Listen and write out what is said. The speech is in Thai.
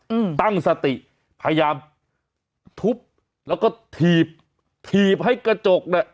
อืมตั้งสติพยายามทุบแล้วก็ถีบถีบให้กระจกเนี้ย